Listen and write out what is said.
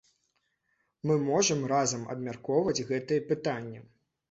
Мы можам разам абмяркоўваць гэтыя пытанні.